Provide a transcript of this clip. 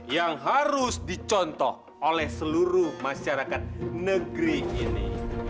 yang harus dicontoh oleh seluruh masyarakat negeri ini